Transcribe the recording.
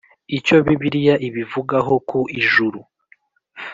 Icyo Bibiliya ibivugaho ku Ijuru